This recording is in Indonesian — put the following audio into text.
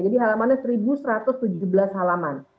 jadi halamannya seribu satu ratus tujuh belas halaman